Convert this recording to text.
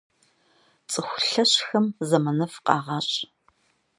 Цӏыху лъэщхэм зэманыфӏ къагъэщӏ.